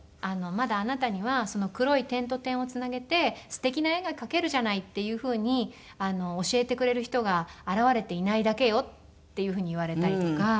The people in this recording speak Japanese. まだあなたには“その黒い点と点をつなげてすてきな絵が描けるじゃない”っていうふうに教えてくれる人が現れていないだけよ」っていうふうに言われたりとか。